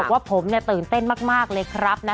ว่าผมเนี่ยตื่นเต้นมากเลยครับนะ